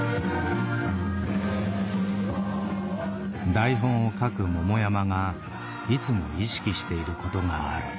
台本を書く桃山がいつも意識していることがある。